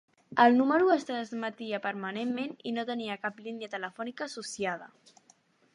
El número es transmetia permanentment i no tenia cap línia telefònica associada.